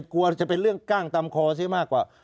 กลัวจะเป็นเรื่องกล้างตามคอซิมากกว่า